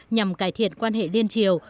nhằm cải thiện quan hệ liên triều